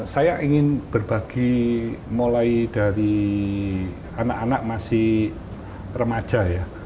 saya ingin berbagi mulai dari anak anak masih remaja ya